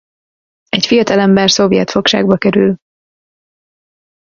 Egy fiatalember szovjet fogságba kerül.